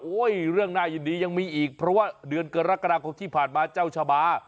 เรื่องน่ายินดียังมีอีกเพราะว่าเดือนกรกฎาคมที่ผ่านมาเจ้าชาบา